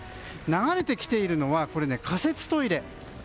流れてきているのは仮設トイレ。